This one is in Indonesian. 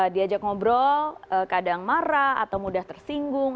diajak ngobrol kadang marah atau mudah tersinggung